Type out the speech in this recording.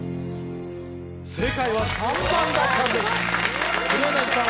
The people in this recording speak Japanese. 正解は３番だったんです黒柳さん